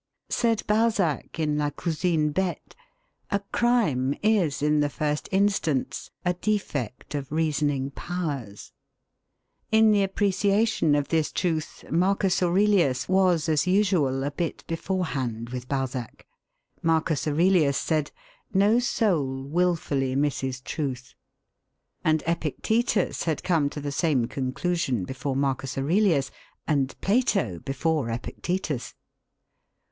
Said Balzac in La Cousine Bette, 'A crime is in the first instance a defect of reasoning powers.' In the appreciation of this truth, Marcus Aurelius was, as usual, a bit beforehand with Balzac. M. Aurelius said, 'No soul wilfully misses truth.' And Epictetus had come to the same conclusion before M. Aurelius, and Plato before Epictetus.